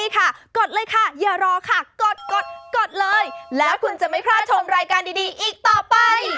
เป็นธรรมดากุ้มกิ่มกุ้มกิ่ม